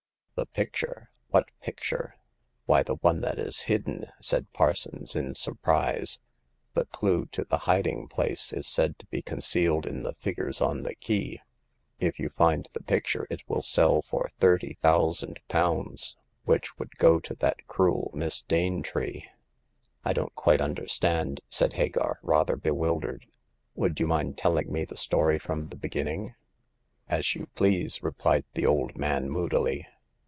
'* The picture ? What picture ?"Why, the one that is hidden," said Parsons in surprise. "The clue to the hiding place is said to be concealed in the figures on the key. If you find the picture, it will sell for thirty thou sand pounds, which would go to that cruel Miss Danetree." I don't quite understand," said Hagar, rather bewildered. " Would you mind telling me the story from the beginning ?"As you please," replied the old man, moodily.